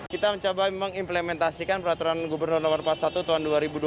kita mencoba mengimplementasikan peraturan gubernur no empat puluh satu tahun dua ribu dua puluh